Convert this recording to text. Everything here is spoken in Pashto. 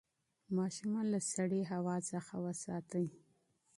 ماشومان له یخې هوا څخه وساتئ.